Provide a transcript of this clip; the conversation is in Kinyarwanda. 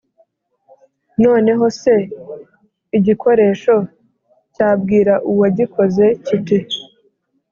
Noneho se, igikoresho cyabwira uwagikoze kiti